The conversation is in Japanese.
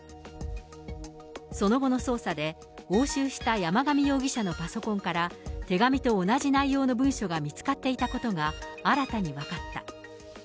その後の捜査で押収した山上容疑者のパソコンから、手紙と同じ内容の文書が見つかっていたことが、新たに分かった。